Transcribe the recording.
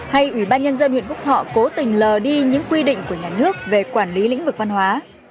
hay ủy ban nhân dân huyện phúc thọ cố tình lờ đi những quy định của nhà nước về quản lý lĩnh vực văn hóa